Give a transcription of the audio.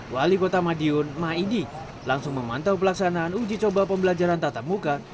wali kota madiun maidi langsung memantau pelaksanaan uji coba pembelajaran tatap muka